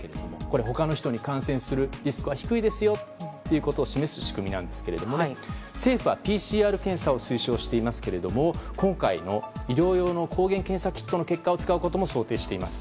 他の人に感染するリスクが低いですということを示す仕組みなんですけども政府はＰＣＲ検査を推奨していますが今回の医療用の抗原検査キットの結果を使うことも想定しています。